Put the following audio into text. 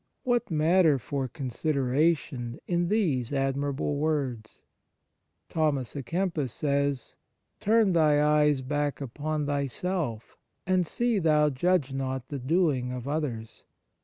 What matter for consideration in these admirable words ! Thomas a Kempis says :" Turn thy eyes back upon thyself, and see thou judge not the doing of others.